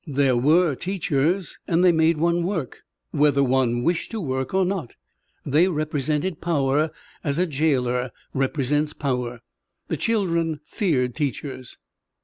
There were teachers and they made one work, whether one wished to work or not. They represented power, as a jailer represents power. The children feared teachers.